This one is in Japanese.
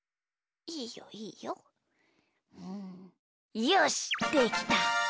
うんよしできた！